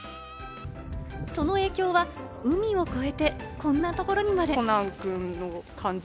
その影響は海を越えて、こんなところにまで。